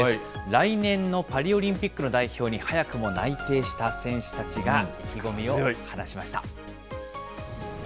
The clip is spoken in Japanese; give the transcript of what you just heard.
来年のパリオリンピックの代表に早くも内定した選手たちが意気込みを話しました。